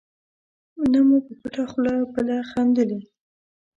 نه مو په پټه خوله بله خندلي.